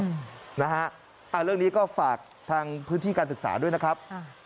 เรื่องนี้ก็ฝากทางพื้นที่การศึกษาด้วยนะครับ